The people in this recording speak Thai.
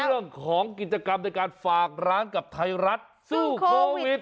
เรื่องของกิจกรรมในการฝากร้านกับไทยรัฐสู้โควิด